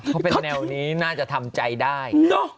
เขาเป็นแนวนี้น่าจะทำใจได้